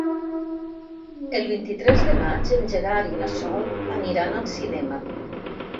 El vint-i-tres de maig en Gerard i na Sol aniran al cinema.